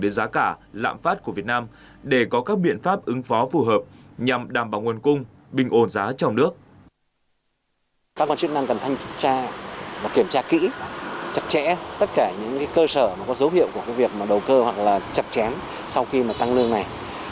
kiểm tra kỹ chặt chẽ tất cả những cơ sở có dấu hiệu của việc đầu cơ hoặc là chặt chém sau khi tăng lương này